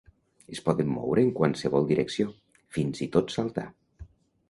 Es poden moure en qualsevol direcció, fins i tot saltar.